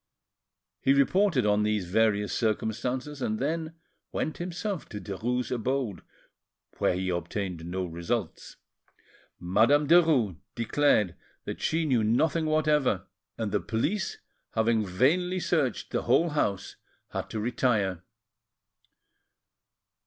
He reported on these various circumstances, and then went himself to Derues' abode, where he obtained no results. Madame Derues declared that she knew nothing whatever, and the police, having vainly searched the whole house, had to retire.